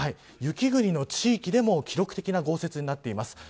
雪国の地域でも記録的な豪雪になっています。